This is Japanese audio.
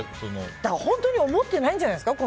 本当に思ってないんじゃないですか。